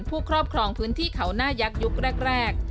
ครอบครองพื้นที่เขาหน้ายักษ์ยุคแรก